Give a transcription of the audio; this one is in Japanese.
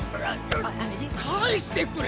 返してくれ！